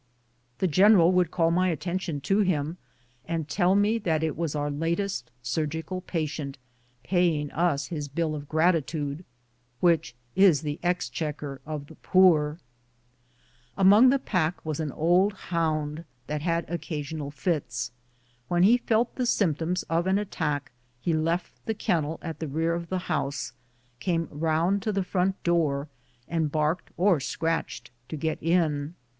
The general would call my attention to him, and tell me that it was our latest surgical patient, paying us his bill in gratitude, "which is the exchequer of the poor." Among the pack was an old hound that had occa INCIDENTS OF EVERY DAY LIFE. Ill eional fits. When he felt the symptoms of an attack he left the kennel at the rear of the house, came round to the front door, and barked or scratched to get in.